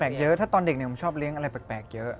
แปลกเยอะถ้าตอนเด็กหนึ่งผมชอบเลี้ยงอะไรแปลกเยอะ